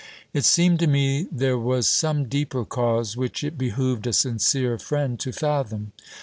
It seemed to me there was some deeper cause, which it behoved a sincere friend to fathom.